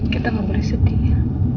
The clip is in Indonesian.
kita gak boleh sedih ya